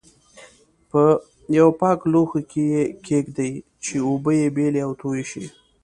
په یوه پاک لوښي کې یې کېږدئ چې اوبه یې بېلې او توی شي.